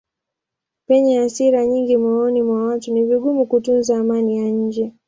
Penye hasira nyingi moyoni mwa watu ni vigumu kutunza amani ya nje.